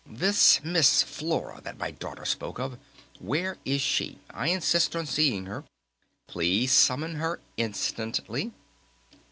"This Miss Flora that my daughter spoke of, where is she? I insist on seeing her! Please summon her instantly!"